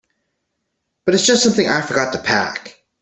But it's just something I forgot to pack.